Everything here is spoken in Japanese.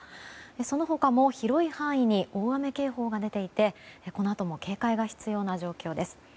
その他も広い範囲に大雨警報が出ていてこのあとも警戒が必要な状況です。